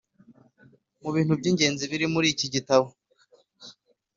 mu bintu by’ingenzi biri muri iki gitabo.